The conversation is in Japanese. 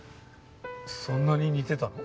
そんなに似てたの？